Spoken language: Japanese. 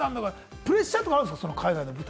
プレッシャーとかあるんですか？